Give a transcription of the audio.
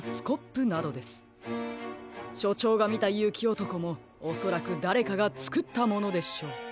しょちょうがみたゆきおとこもおそらくだれかがつくったものでしょう。